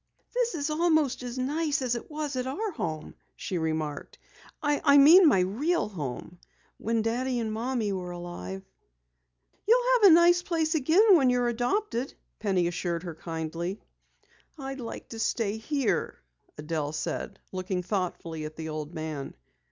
"This is almost as nice as it was at our home," she remarked. "I mean my real home, when Daddy and Mother were alive." "You'll have a nice place again when you are adopted," Penny assured her kindly. "I'd like to stay here," Adelle said, looking thoughtfully at the old man.